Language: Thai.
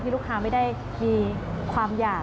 ลูกค้าไม่ได้มีความอยาก